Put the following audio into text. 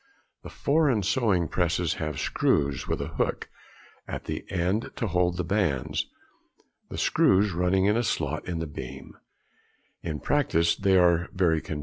The foreign sewing presses have screws with a hook at the end to hold the bands, the screws running in a slot in the beam: in practice they are very convenient.